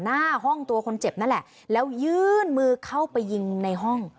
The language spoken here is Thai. หน้าห้องตัวคนเจ็บนั่นแหละแล้วยื่นมือเข้าไปยิงในห้อง